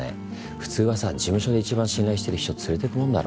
普通はさ事務所で一番信頼してる秘書連れてくもんだろ？